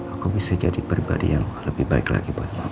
aku bisa jadi pribadi yang lebih baik lagi buatnya